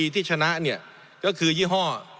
ที่ชนะเนี่ยก็คือยี่ห้อ